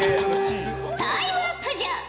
タイムアップじゃ。